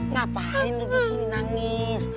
ngapain lu disini nangis